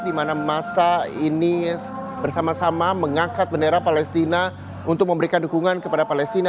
di mana masa ini bersama sama mengangkat bendera palestina untuk memberikan dukungan kepada palestina